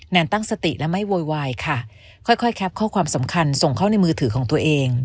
นตั้งสติและไม่โวยวายค่ะค่อยแคปข้อความสำคัญส่งเข้าในมือถือของตัวเอง